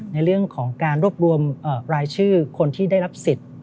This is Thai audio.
ในเรื่องของการรวบรวมรายชื่อคนที่ได้รับสิทธิ์